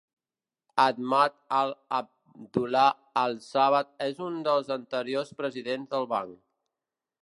Ahmad Al Abdullah Al Sabah és un dels anteriors presidents del banc.